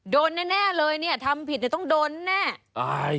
โดนแน่เลยทำผิดจะต้องโดนแน่